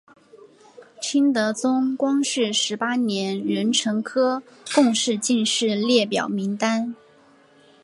清德宗光绪十八年壬辰科贡士进士列表名单。